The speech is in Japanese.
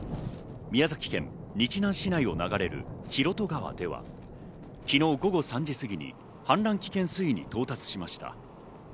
宮崎県日南市内を流れる広渡川では、昨日、午後３時過ぎに氾濫危険水位に到達しました。